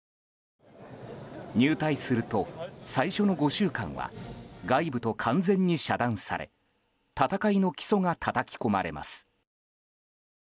入隊すると最初の５週間は外部と完全に遮断され戦いの基礎がたたき込まれます。